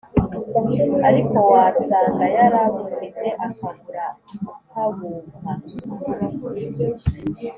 ariko wasanga yarabufite akabura ukabumpa